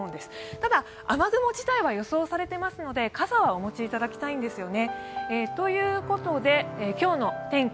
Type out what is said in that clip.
ただ、雨雲自体は予想されてますので傘はお持ちいただきたいんですよね。ということで今日の天気、